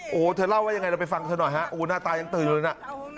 โอ้โหเธอเล่าว่ายังไงเราไปฟังเธอหน่อยฮะโอ้หน้าตายังตื่นอยู่น่ะ